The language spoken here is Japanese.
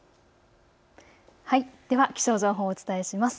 では気象情報をお伝えします。